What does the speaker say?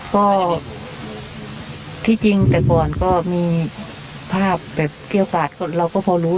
ก็ที่จริงแต่ก่อนก็มีภาพแบบเกี้ยวกาดเราก็พอรู้